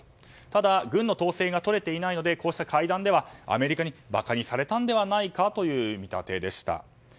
ただ、軍の統制がとれていないのでこうした会談ではアメリカに馬鹿にされたのではないかという見立てでした。